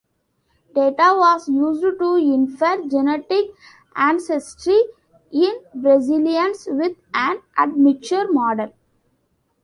Data was used to infer genetic ancestry in Brazilians with an admixture model.